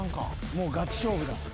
もうガチ勝負だ。